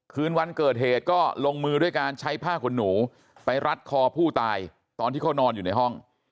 คืนวันเกิดเหตุก็ลงมือด้วยการใช้ผ้าขนหนูไปรัดคอผู้ตายตอนที่เขานอนอยู่ในห้อง